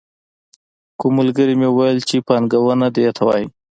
کوم ملګري مې ویل چې پانګونه دې ته وايي.